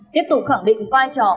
tiếp tục khẳng định vai trò